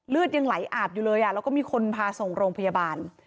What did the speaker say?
เลือดยังไหลอาบอยู่เลยแล้วก็มีคนพาส่งโรงพยาบาล